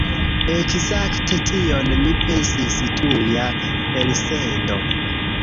Ekzakte tion mi pensis... tuja elsendo